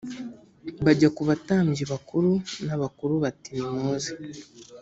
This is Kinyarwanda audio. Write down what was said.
bajya ku batambyi bakuru n’abakuru bati nimuze